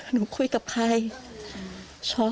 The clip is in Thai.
หนูคุยกับใครช็อก